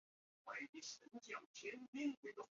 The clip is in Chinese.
但预期中的攻势很快就转变成绝望的阻敌战斗。